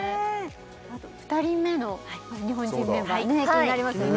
あと２人目の日本人メンバー気になりますよね